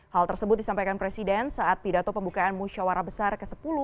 hal tersebut disampaikan presiden saat pidato pembukaan musyawarah besar ke sepuluh